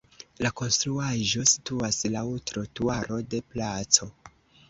La konstruaĵo situas laŭ trotuaro de placo.